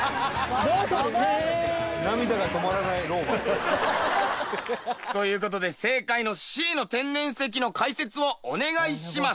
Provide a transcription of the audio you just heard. どうするウエーン！という事で正解のＣの天然石の解説をお願いします。